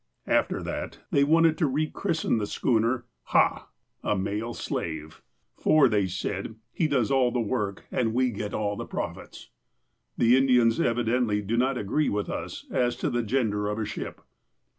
After that, they wanted to rechristen the schooner, " Hah " (a male slave). " For," said they, '' he does all the work, and we get all the profits." The Indians evidently do not agree with us as to the gender of a ship.